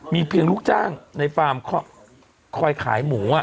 มีเพียงลูกจ้างในฟาร์มคอยขายหมู